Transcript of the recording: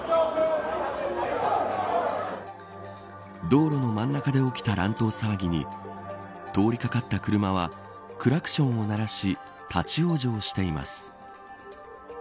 道路の真ん中で起きた乱闘騒ぎに通りかかった車はクラクションを鳴らし立ち往生しています。